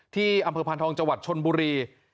ที่อำเภอพานทองจชนบุรี